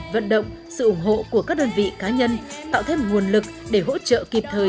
vận động sự ủng hộ của các đơn vị cá nhân tạo thêm nguồn lực để hỗ trợ kịp thời